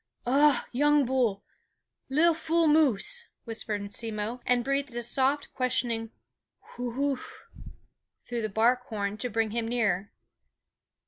"Uh! young bull, lil fool moose," whispered Simmo, and breathed a soft, questioning Whooowuh? through the bark horn to bring him nearer.